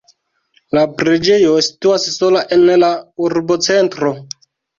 La preĝejo situas sola en la urbocentro.